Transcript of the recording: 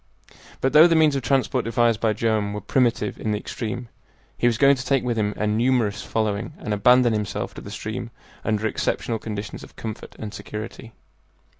But though the means of transport devised by Joam were primitive in the extreme, he was going to take with him a numerous following and abandon himself to the stream under exceptional conditions of comfort and security.